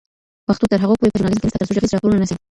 پښتو تر هغو پورې په ژورنالیزم کي نسته تر څو ږغیز راپورونه نه سي